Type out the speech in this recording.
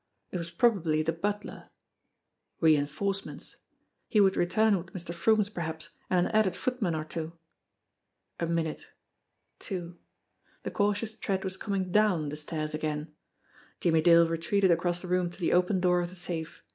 It was probably the butler. Reinforcements ! He AT A QUARTER TO THREE 215 would return with Mr. Froomes, perhaps, and an added footman or two ! A minute two! The cautious tread was coming down the stairs again. Jimmie Dale retreated across the room to the open door of the safe.